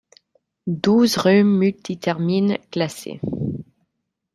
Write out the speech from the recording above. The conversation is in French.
Douze Rhum Multi terminent classés.